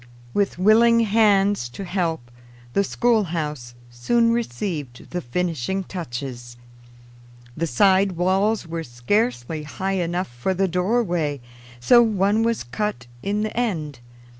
With willing hands to help, the schoolhouse soon received the finishing touches. The side walls were scarcely high enough for the doorway, so one was cut in the end.